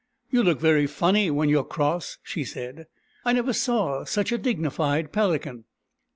" You look very funny when you are cross," she said. " I never saw such a dignified pelican."